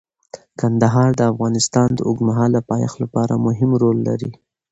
کندهار د افغانستان د اوږدمهاله پایښت لپاره مهم رول لري.